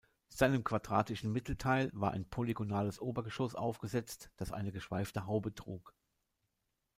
Seinem quadratischen Mittelteil war ein polygonales Obergeschoss aufgesetzt, das eine geschweifte Haube trug.